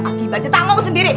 akibatnya tanggung sendiri